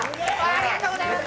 ありがとうございます！